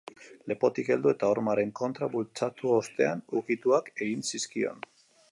Lepotik heldu eta hormaren kontra bultzatu ostean, ukituak egin zizkion.